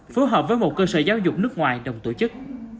phối hợp với một cơ sở giáo dục nước ngoài đồng tổ chức